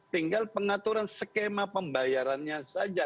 tinggal pengaturan skema pembayarannya saja